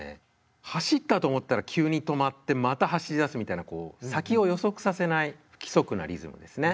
走ったと思ったら急に止まってまた走りだすみたいなこう先を予測させない不規則なリズムですね。